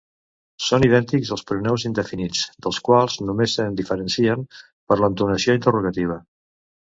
Són idèntics als pronoms indefinits, dels quals només se'n diferencien per l'entonació interrogativa.